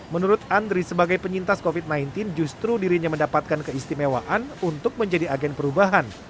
menurut andri sebagai penyintas covid sembilan belas justru dirinya mendapatkan keistimewaan untuk menjadi agen perubahan